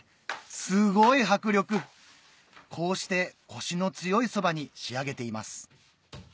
すごい迫力こうしてコシの強いそばに仕上げています